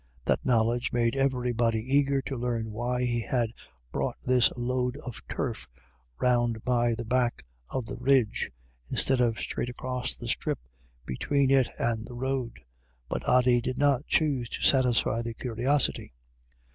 That knowledge made every body eager to learn why he had brought his load of turf round by the back of the ridge, instead of straight across the strip between it and the road; but Ody did not choose to satisfy their curiosity.